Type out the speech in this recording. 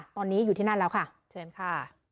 ตอนนี้อยู่ที่นั่นแล้วค่ะเชิญค่ะ